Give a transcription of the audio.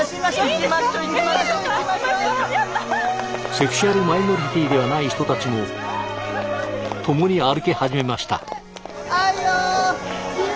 セクシュアルマイノリティではない人たちも共に歩き始めました。